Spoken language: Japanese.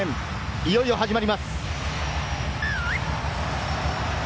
いよいよ始まります。